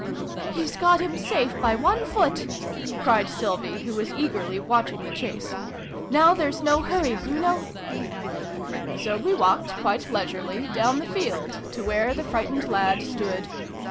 " He's got him safe, by one foot !" cried Sylvie, who was eagerly watching the chase. 14 Now there's no hurry, Bruno !" iv] THE DOG KING. 61 So we walked, quite leisurely, down the field, to where the frightened lad stood.